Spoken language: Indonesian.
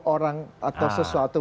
orang atau sesuatu